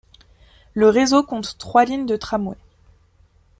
Le réseau compte trois lignes de tramways.